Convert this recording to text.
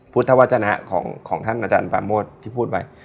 พุทธวัฒนะของท่านอาจารย์ปราโมทที่พูดไว้